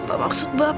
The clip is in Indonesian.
apa maksud bapak